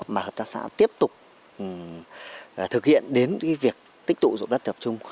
mà hợp tác xã tiếp tục thực hiện đến việc tích tụ dụng đất tập trung